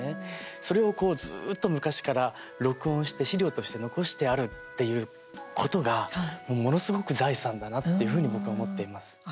それを、ずっと昔から録音して資料として残してあるっていうことが、ものすごく財産だなって僕は思っています。